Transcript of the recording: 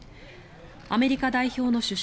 アメリカ代表の主将